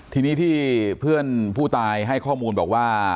ทีนี้ที่เพื่อนผู้ตายให้ข้อมูลบอกว่า